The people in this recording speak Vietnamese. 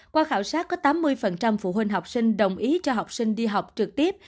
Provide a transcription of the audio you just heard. qua khảo sát có tám mươi phụ huynh học sinh đồng ý cho học sinh đi học trực tiếp